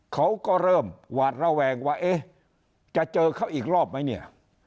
เขาก็เริ่มหวาดระแวงว่าเอ๊ะจะเจอเขาอีกรอบไหมเนี่ย